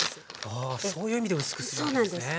あそういう意味で薄くするわけですね。